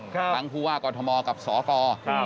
ทั้งครูว่ากรทมกับศกร